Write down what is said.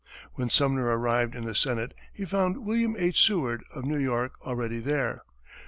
When Sumner arrived in the Senate, he found William H. Seward, of New York, already there.